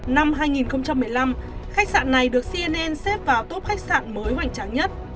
năm hai nghìn một mươi năm khách sạn này được cnn xếp vào tốp khách sạn mới hoành tráng nhất